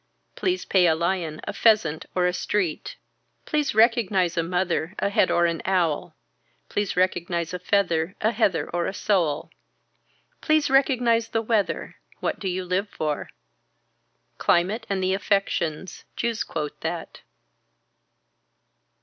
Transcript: Please pay a lion a pheasant or a street. Please recognize a mother a head or an owl. Please recognize a feather a heather or a soul. Please recognize the weather. What do you live for. Climate and the affections. Jews quote that.